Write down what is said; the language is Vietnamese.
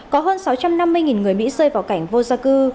có hơn sáu trăm năm mươi người mỹ rơi vào cảnh vô gia cư